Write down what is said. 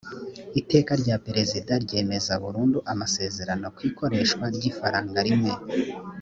iteka rya perezida ryemeza burundu amasezerano ku ikoreshwa ry’ifaranga rimwe